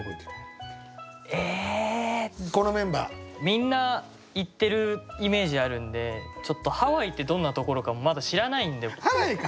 みんな行ってるイメージあるんでちょっとハワイってどんなところかもまだ知らないんで。